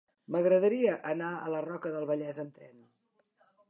M'agradaria anar a la Roca del Vallès amb tren.